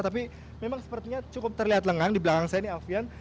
tapi memang sepertinya cukup terlihat lengang di belakang saya ini alfian